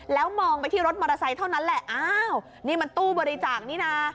แล้วมองไปที่รถมอเตอร์ไซค์เท่านั้นแหละอ้าวนี่มันตู้บริจาคนี่นะ